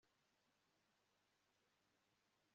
ibigo byacu byubuzima Umwami Imana ntatangira